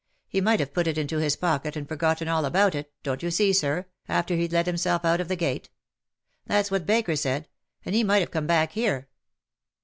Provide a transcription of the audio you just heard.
He might have put it into his pocket, and forgotten all about it, don^t you see. Sir, after heM let himself out of the gate. That's what Baker said; and he might have come back here.'